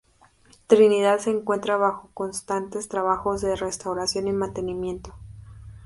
Trinidad se encuentra bajo constantes trabajos de restauración y mantenimiento.